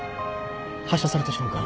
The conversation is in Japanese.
発射された瞬間